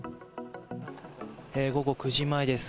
午後９時前です。